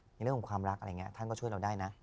ในเรื่องของความรักอะไรอย่างนี้ท่านก็ช่วยเราได้นะ